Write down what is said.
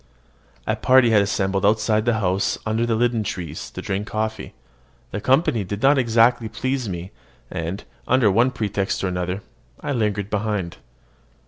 A party had assembled outside the house under the linden trees, to drink coffee. The company did not exactly please me; and, under one pretext or another, I lingered behind.